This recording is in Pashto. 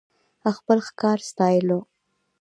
خپل ښکار ستايلو .